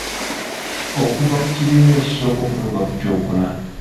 Okuva ku kibiina ekisooka okutuuka ku kyokuna.